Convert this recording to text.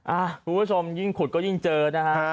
คุณผู้ชมยิ่งขุดก็ยิ่งเจอนะฮะ